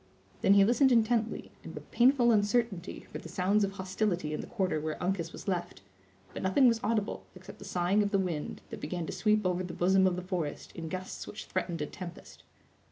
Then he listened intently, and with painful uncertainty, for the sounds of hostility in the quarter where Uncas was left; but nothing was audible except the sighing of the wind, that began to sweep over the bosom of the forest in gusts which threatened a tempest.